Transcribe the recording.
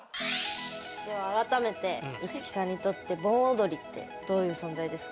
では改めて樹さんにとって盆踊りってどういう存在ですか？